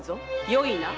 よいな。